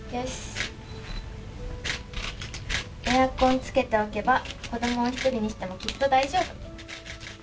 エアコンつけておけば、子どもを１人にしてもきっと大丈夫。